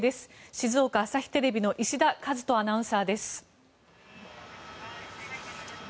静岡朝日テレビの石田和外アナウンサーです。